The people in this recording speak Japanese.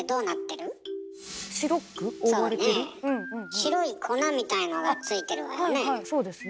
白い粉みたいのが付いてるわよね。